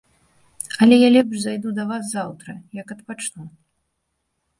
Але я лепш зайду да вас заўтра, як адпачну.